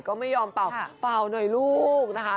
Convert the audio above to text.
ก็ไม่ยอมเป่าเป่าหน่อยลูกนะคะ